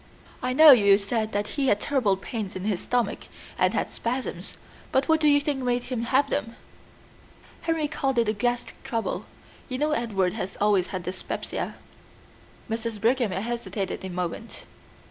"I know you said that he had terrible pains in his stomach, and had spasms, but what do you think made him have them?" "Henry called it gastric trouble. You know Edward has always had dyspepsia." Mrs. Brigham hesitated a moment.